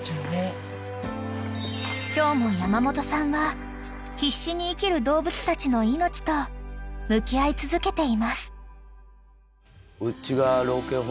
［今日も山本さんは必死に生きる動物たちの命と向き合い続けています］うちが。